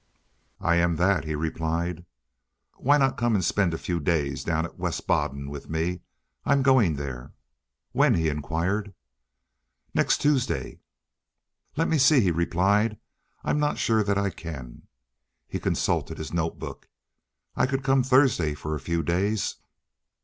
"I am that," he replied. "Why not come and spend a few days down at West Baden? I'm going there." "When?" he inquired. "Next Tuesday." "Let me see," he replied. "I'm not sure that I can." He consulted his notebook. "I could come Thursday, for a few days."